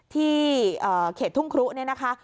ที่เขตทุ่งครุเนี่ยนะคะ